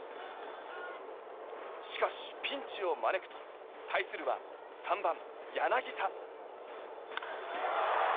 しかし、ピンチを招くと対するは３番、柳田。